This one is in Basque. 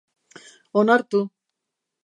Onartu.